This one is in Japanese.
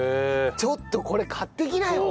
ちょっとこれ買っていきなよ！